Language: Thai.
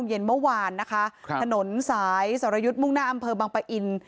เย็นเมื่อวานนะคะถนนสายสรยุทธ์มุ่งหน้าอำเภอบังปะอิน